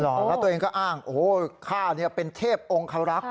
แล้วตัวเองก็อ้างโอ้โหข้าเป็นเทพองคารักษ์